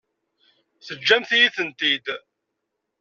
Teǧǧamt-iyi-tent-id.